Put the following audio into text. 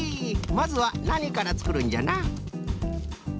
まずはなにからつくるんじゃな？